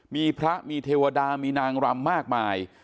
มีพระมีเทวดามีนางรำมากมาย